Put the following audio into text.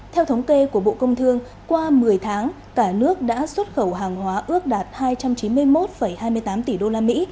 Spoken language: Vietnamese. theo thống kê của bộ công thương qua một mươi tháng cả nước đã xuất khẩu hàng hóa ước đạt hai trăm chín mươi một hai mươi tám tỷ đô la mỹ